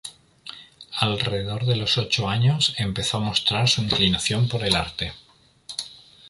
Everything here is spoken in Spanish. Alrededor de los ocho años empezó a mostrar su inclinación por el arte.